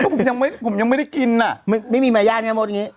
ก็ผมยังไม่ได้กินน่ะไม่มีมาย่านอย่างนี้